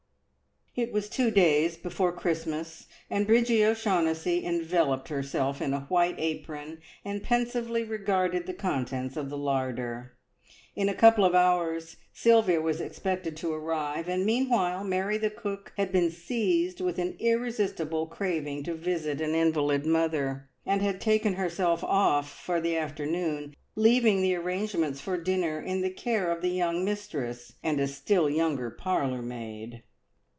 It was two days before Christmas, and Bridgie O'Shaughnessy enveloped herself in a white apron, and pensively regarded the contents of the larder. In a couple of hours Sylvia was expected to arrive, and meanwhile Mary the cook had been seized with an irresistible craving to visit an invalid mother, and had taken herself off for the afternoon, leaving the arrangements for dinner in the care of the young mistress, and a still younger parlourmaid.